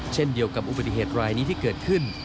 เช่นเดียวกับอุบัติเหตุรายนี้ที่เกิดขึ้น